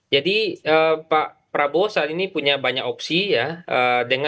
jadi pak prabowo saat ini punya banyak opsi ya